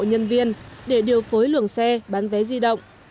nhân viên để điều phối luồng xe bán vé di động